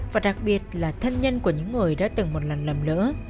và đặc biệt là thân nhân của những người đã từng một lần lầm lỡ